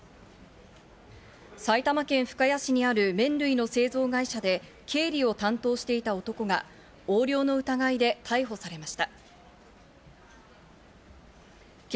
埼玉県深谷市にある麺類の製造会社で経理を担当していた男が横領の疑いで逮捕されました。